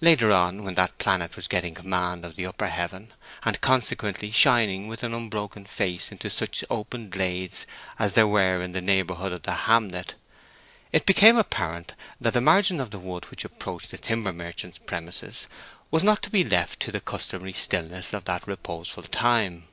Later on, when that planet was getting command of the upper heaven, and consequently shining with an unbroken face into such open glades as there were in the neighborhood of the hamlet, it became apparent that the margin of the wood which approached the timber merchant's premises was not to be left to the customary stillness of that reposeful time.